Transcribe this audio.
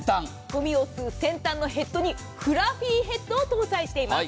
ゴミを吸う先端のヘッドにフラフィヘッドを搭載しています。